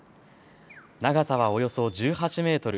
長さはおよそ１８メートル。